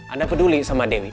anda peduli sama dewi